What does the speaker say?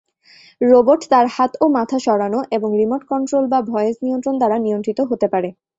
Robot তার হাত ও মাথা সরানো এবং রিমোট কন্ট্রোল বা ভয়েস নিয়ন্ত্রণ দ্বারা নিয়ন্ত্রিত হতে পারে।